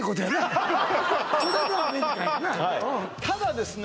ただですね